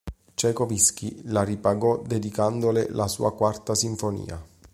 Čajkovskij la ripagò dedicandole la sua Quarta Sinfonia.